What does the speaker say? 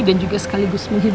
dan juga sekaligus muhafizatnya